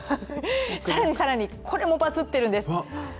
さらに、これもバズっているんです。